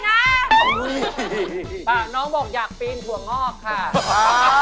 น้องบอกอยากปีนถั่วงอกค่ะ